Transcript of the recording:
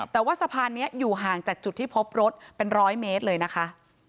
แต่ว่าสะพานนี้อยู่ห่างจากจุดที่พบรถเป็นร้อยเมตรเลยนะคะ